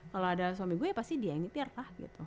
kalau ada suami gue ya pasti dia yang nyetir lah gitu